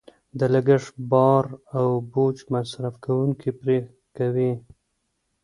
د لګښت بار او بوج مصرف کوونکې پرې کوي.